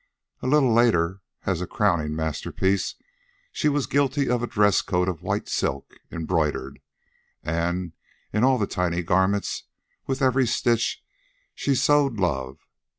A little later, as a crowning masterpiece, she was guilty of a dress coat of white silk, embroidered. And into all the tiny garments, with every stitch, she sewed love.